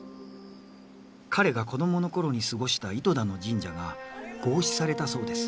彼が子供の頃に過ごした糸田の神社が合祀されたそうです。